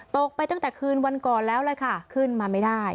ตกไปตั้งแต่คืนวันก่อนแล้วเลยค่ะขึ้นมาไม่ได้